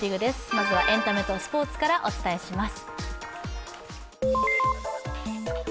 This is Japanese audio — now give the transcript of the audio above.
まずはエンタメとスポーツからお伝えします。